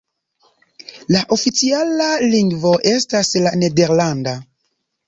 La oficiala lingvo estas la nederlanda.